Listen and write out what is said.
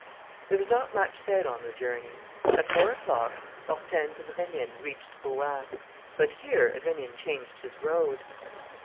There was not much said on the journey. At four o'clock Hortense and Rénine reached Rouen. But here Rénine changed his road.